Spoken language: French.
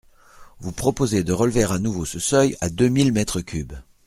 Vous proposez de relever à nouveau ce seuil à deux mille mètres cubes.